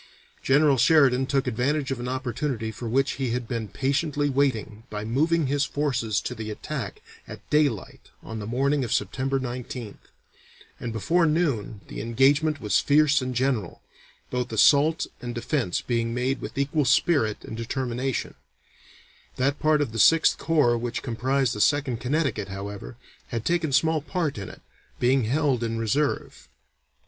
General Sheridan took advantage of an opportunity for which he had been patiently waiting by moving his forces to the attack at daylight on the morning of September 19th, and before noon the engagement was fierce and general, both assault and defence being made with equal spirit and determination; that part of the Sixth Corps which comprised the Second Connecticut, however, had taken small part in it, being held in reserve.